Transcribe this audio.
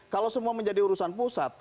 kalau semua menjadi urusan pusat